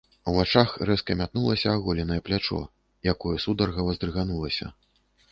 У вачах рэзка мятнулася аголенае плячо, якое сударгава здрыганулася.